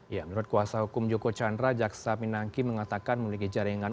ya menurut kuasa hukum joko chandra jaksa pinangki mengatakan memiliki jaringan